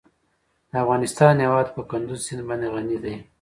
د افغانستان هیواد په کندز سیند باندې غني دی.